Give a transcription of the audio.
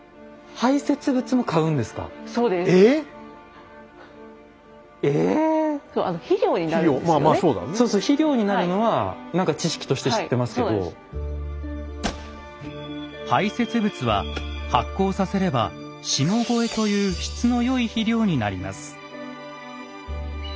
排せつ物は発酵させれば「下肥」という質の良い肥料になります。